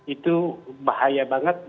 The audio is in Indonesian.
itu bahaya banget